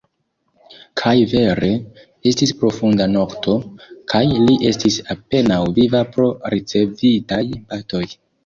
Kaj vere: estis profunda nokto, kaj li estis apenaŭ viva pro ricevitaj batoj.